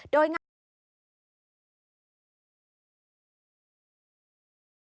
สวัสดีครับสวัสดีครับทุกคน